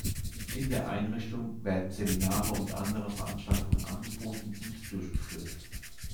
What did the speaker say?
In der Einrichtung werden Seminare und andere Veranstaltungen angeboten und durchgeführt.